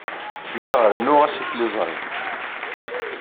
Lliɣ rennuɣ-as i tliẓri.